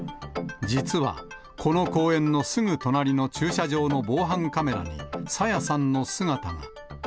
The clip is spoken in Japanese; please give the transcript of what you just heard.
実は、この公園のすぐ隣の駐車場の防犯カメラに、朝芽さんの姿が。